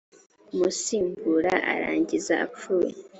umusimbura arangiza apfuye